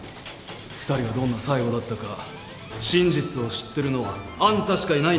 ２人はどんな最後だったか真実を知ってるのはあんたしかいないんだ！